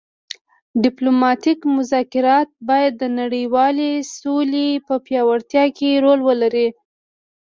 ډیپلوماتیک مذاکرات باید د نړیوالې سولې په پیاوړتیا کې رول ولري